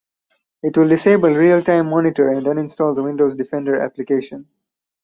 It will disable real time monitor and uninstall the Windows Defender application.